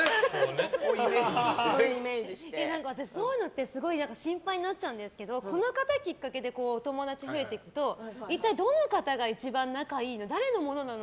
そういうのってすごく心配になっちゃうんだけどこの方きっかけでお友達が増えていくと一体どの方が一番仲いい誰のものなの？